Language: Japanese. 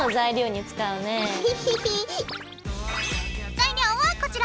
材料はこちら。